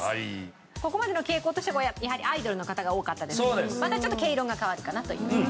ここまでの傾向としてはやはりアイドルの方が多かったですけれどまたちょっと毛色が変わるかなという。